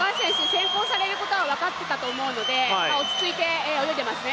先行されることは分かっていたと思いますので落ち着いて泳いでいますね。